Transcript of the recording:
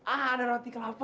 ada roti kelapa